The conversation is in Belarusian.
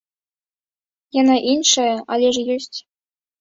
Яна іншая, але ж ёсць.